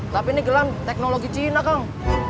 tapi ini gelang teknologi cina kang